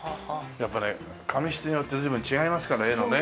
やっぱね紙質によって随分違いますから絵のね